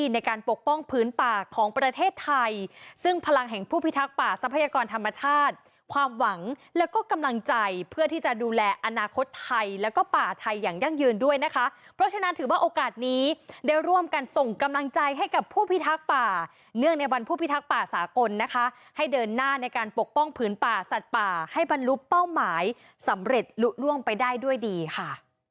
นะคะเพราะฉะนั้นถือว่าโอกาสนี้ได้ร่วมการส่งกำลังใจให้กับผู้พิทักษ์ป่าเนื่องในวันผู้พิทักษ์ป่าสากลนะคะให้เดินหน้าในการปกป้องผืนป่าสัตว์ป่าให้บรรลุเป้าหมายสำเร็จลุกร่วมไปได้ด้วยดีค่ะ